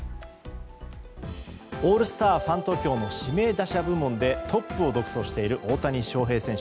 オールスターファン投票の指名打者部門でトップを独走している大谷選手